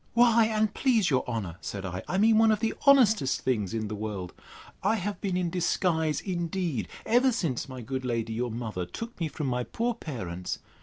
—Why, and please your honour, said I, I mean one of the honestest things in the world. I have been in disguise, indeed, ever since my good lady your mother took me from my poor parents.